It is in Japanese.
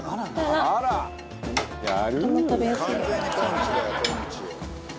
「あら！やるー！」